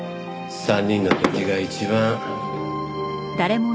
３人の時が一番。